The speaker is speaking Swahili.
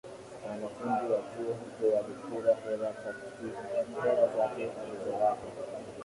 wanafunzi wa chuo hicho walikula hela zake alizowapa